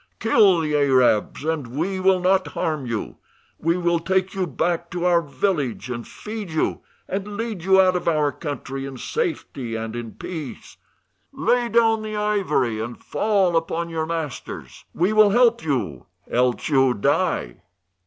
Kill the Arabs, and we will not harm you. We will take you back to our village and feed you, and lead you out of our country in safety and in peace. Lay down the ivory, and fall upon your masters—we will help you. Else you die!"